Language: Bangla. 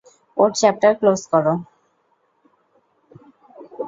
ওর চ্যাপ্টার ক্লোজ করো!